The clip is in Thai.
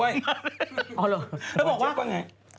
หรอลูกบอกว่า